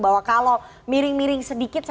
bahwa kalau miring miring sedikit